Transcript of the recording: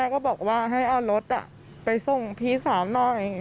ก็บอกว่าให้เอารถไปส่งพี่สาวหน่อย